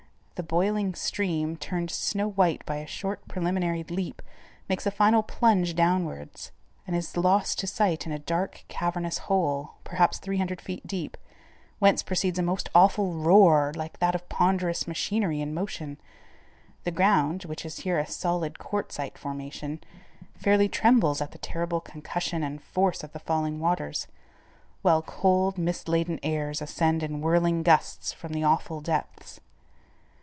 The boiling stream, turned snow white by a short preliminary leap, makes a final plunge downwards and is lost to sight in a dark cavernous hole, perhaps 300 feet deep, whence proceeds a most awful roar, like that of ponderous machinery in motion. The ground, which is here a solid quartzite formation, fairly trembles at the terrible concussion and force of the falling waters, while cold, mist laden airs ascend in whirling gusts from the awful depths.